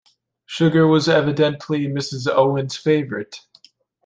Sugar was evidently Mrs Owen’s favourite.